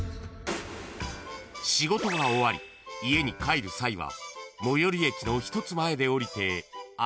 ［仕事が終わり家に帰る際は］